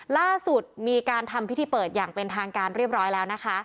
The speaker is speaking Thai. ล่าสุดมีการทำพิธีเปิดอย่างเป็นทางการเรียบร้อยแล้วนะคะ